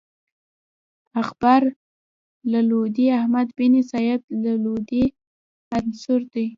اخبار اللودي احمد بن سعيد الودي اثر دﺉ.